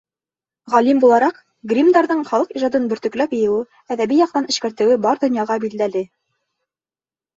Ғалим булараҡ, Гриммдарҙың халыҡ ижадын бөртөкләп йыйыуы, әҙәби яҡтан эшкәртеүе бар донъяға билдәле.